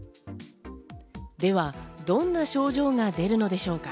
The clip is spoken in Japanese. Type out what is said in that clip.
ではどんな症状が出るのでしょうか。